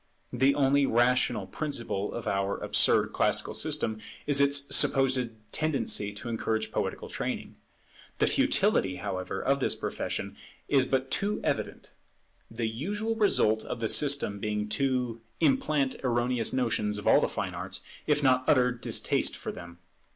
The only rational principle of our absurd classical system is its supposed tendency to encourage poetical training. The futility, however, of this profession is but too evident: the usual result of the system being to implant erroneous notions of all the fine arts, if not utter distaste for them.